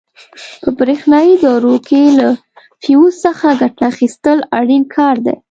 په برېښنایي دورو کې له فیوز څخه ګټه اخیستل اړین کار دی.